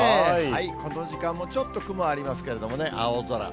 この時間もちょっと雲ありますけれどもね、青空。